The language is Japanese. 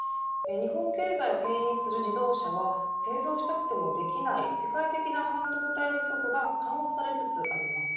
日本経済をけん引する自動車は製造したくてもできない世界的な半導体不足が緩和されつつあります。